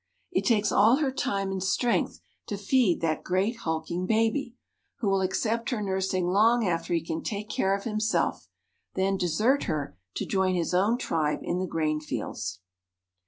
It takes all her time and strength to feed that great hulking baby, who will accept her nursing long after he can take care of himself, then desert her to join his own tribe in the grain fields."